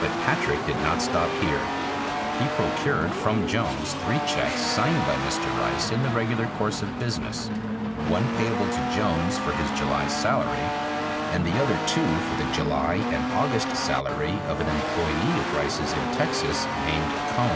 But Patrick did not stop here. He procured from Jones three checks signed by Mr. Rice in the regular course of business, one payable to Jones for his July salary and the other two for the July and August salary of an employee of Rice's in Texas named Cohn.